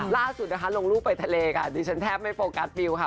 ล่าสุดนะคะลงรูปไปทะเลค่ะดิฉันแทบไม่โฟกัสบิวค่ะ